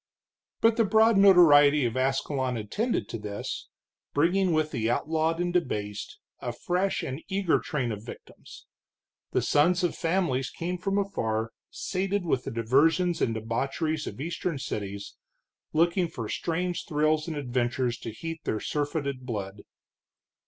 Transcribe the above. But the broad notoriety of Ascalon attended to this, bringing with the outlawed and debased a fresh and eager train of victims. The sons of families came from afar, sated with the diversions and debaucheries of eastern cities, looking for strange thrills and adventures to heat their surfeited blood.